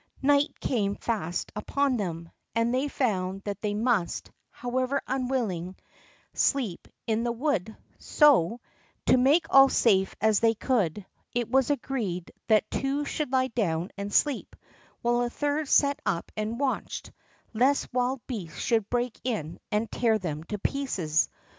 Night came fast upon them, and they found that they must, however unwillingly, sleep in this wood; so, to make all safe as they could, it was agreed that two should lie down and sleep, while a third sat up and watched, lest wild beasts should break in and tear them to pieces.